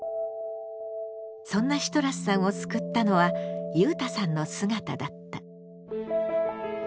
そんなシトラスさんを救ったのはゆうたさんの姿だった。